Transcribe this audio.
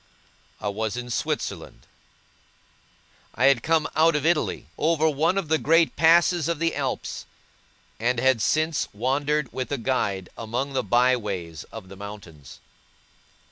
I was in Switzerland. I had come out of Italy, over one of the great passes of the Alps, and had since wandered with a guide among the by ways of the mountains.